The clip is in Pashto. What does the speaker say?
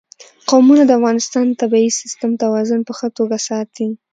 قومونه د افغانستان د طبعي سیسټم توازن په ښه توګه ساتي.